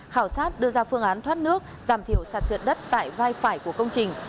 khảo sát đưa ra phương án thoát nước giảm thiểu sạt trượt đất tại vai phải của công trình